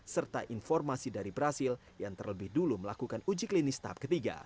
serta informasi dari brazil yang terlebih dulu melakukan uji klinis tahap ketiga